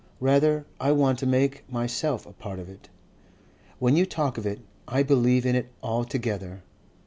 Rather I want to make myself a part of it. When you talk of it I believe in it altogether."